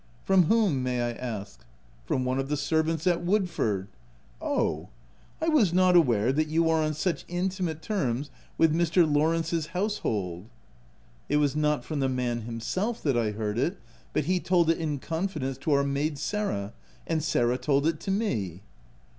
u From whom, may 1 ask ?"" From one of the servants at Woodford/' " Oh ! I was not aware that you were on 190 THE TENANT such intimate terms with Mr. Lawrence* s house hold." u It was not from the man himself, that I heard it; but he told it in confidence to our maid Sarah, and Sarah told it to me."